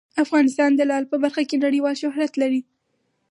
افغانستان د لعل په برخه کې نړیوال شهرت لري.